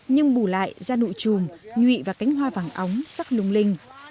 nhưng bù lại da nụ trùm nhụy và cánh hoa vàng ống sắc lung linh